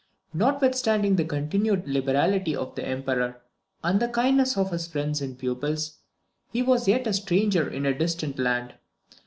Notwithstanding the continued liberality of the Emperor, and the kindness of his friends and pupils, he was yet a stranger in a distant land.